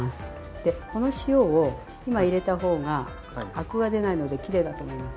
でこの塩を今入れた方がアクが出ないのできれいだと思います。